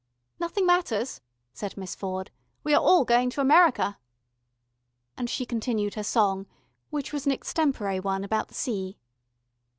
"Nothing matters," said Miss Ford. "We are all going to America." And she continued her song, which was an extempore one about the sea.